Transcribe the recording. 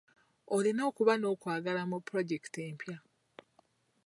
Olina okuba n'okwagala mu pulojekiti empya.